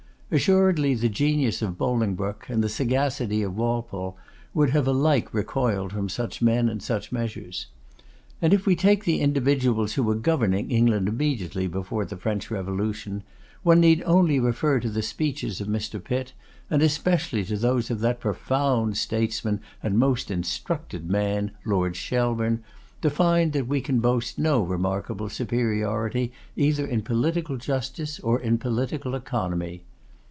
Assuredly the genius of Bolingbroke and the sagacity of Walpole would have alike recoiled from such men and such measures. And if we take the individuals who were governing England immediately before the French Revolution, one need only refer to the speeches of Mr. Pitt, and especially to those of that profound statesman and most instructed man, Lord Shelburne, to find that we can boast no remarkable superiority either in political justice or in political economy.